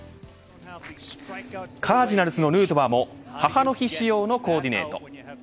カージナルスのヌートバーも母の日仕様のコーディネート。